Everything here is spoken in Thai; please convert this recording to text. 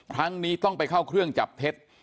ครั้งนี้ต้องไปเข้าเครื่องจับเท็จ